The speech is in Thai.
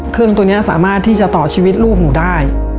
เครื่องตัวนี้สามารถที่จะต่อชีวิตลูกหนูได้